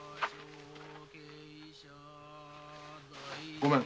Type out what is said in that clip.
ごめん。